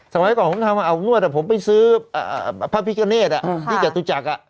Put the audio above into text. สมัยก่อนผมทำาเอานวดผมไปซื้อพระพิกเกเนสที่จุษักร์